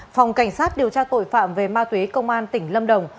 phòng cảnh sát điều tra tội phạm về ma túy công an tỉnh lâm đồng